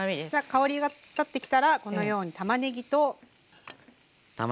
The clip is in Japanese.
香りが立ってきたらこのようにたまねぎと。